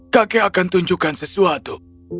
kakek akan menunjukkan sesuatu